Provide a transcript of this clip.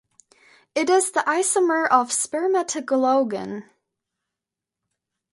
It is the isomer of spermatiglogen.